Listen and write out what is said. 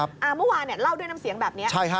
อ่าเมื่อวานเล่าด้วยนำเสียงแบบนี้ใช่ค่ะ